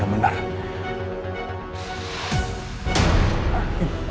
dia mau ke sana